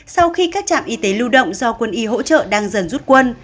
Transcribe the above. sau khi các trạm y tế lưu động do quân y hỗ trợ đang dần rút quân